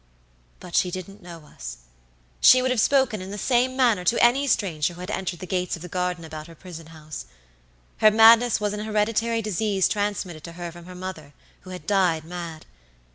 "But she didn't know us. She would have spoken in the same manner to any stranger who had entered the gates of the garden about her prison house. Her madness was an hereditary disease transmitted to her from her mother, who had died mad.